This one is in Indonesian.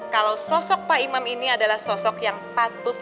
kalau sosok pak imam ini adalah sosok yang patut